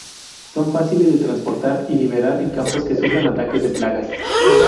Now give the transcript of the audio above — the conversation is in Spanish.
Son fáciles de transportar y liberar en campos que sufran ataques de plagas.